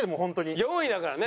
４位だからね。